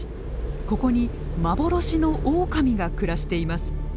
ここに幻のオオカミが暮らしています。